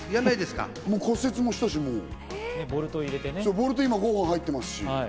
骨折もしたし、もうボルト今、５本入ってますし。